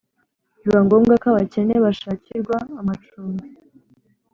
Biba ngombwa ko abakene bushakirwa amacumbi